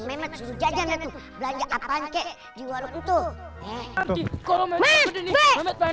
memang sudah jajan itu belanja apaan kek di warung itu eh